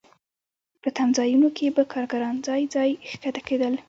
په تمځایونو کې به کارګران ځای ځای ښکته کېدل